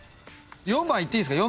４番いっていいっすか？